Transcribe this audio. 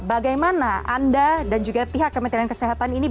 bagaimana anda dan juga pihak kementerian kesehatan ini